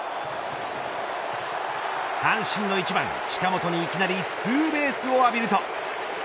阪神の１番、近本にいきなりツーベースを浴びると。